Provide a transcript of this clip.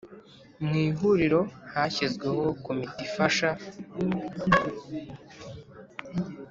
Mu Ihuriro hashyizweho Komite ifasha